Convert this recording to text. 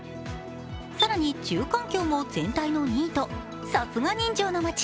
更に住環境も全体の２位とさすが人情の街。